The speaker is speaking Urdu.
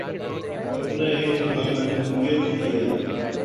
اپنا ایک اجلاس منعقد کیا